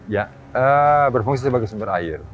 ya berfungsi sebagai sumber air